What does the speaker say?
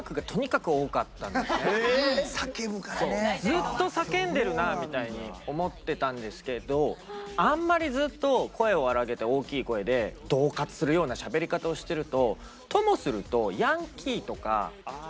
「ずっと叫んでるなぁ」みたいに思ってたんですけどあんまりずっと声を荒げて大きい声でどう喝するようなしゃべり方をしてるとともするとあ！